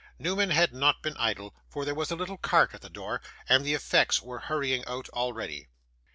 Newman had not been idle, for there was a little cart at the door, and the effects were hurrying out already.